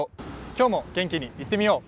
今日も元気にいってみよう。